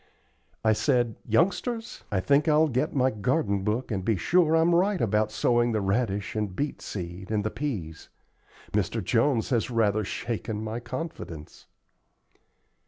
I said: "Youngsters, I think I'll get my garden book and be sure I'm right about sowing the radish and beet seed and the peas. Mr. Jones has rather shaken my confidence."